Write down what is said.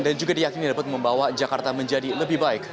dan juga diakini dapat membawa jakarta menjadi lebih baik